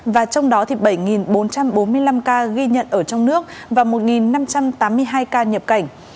và trong đó bảy bốn trăm bốn mươi năm ca ghi nhận ở trong nước và một năm trăm tám mươi hai ca nhập cảnh